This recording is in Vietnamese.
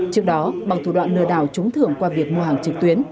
trước đó bằng thủ đoạn lừa đảo trúng thưởng qua việc mua hàng trực tuyến